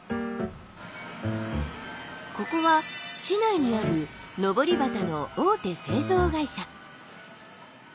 ここは市内にあるのぼり旗の大手製造会社。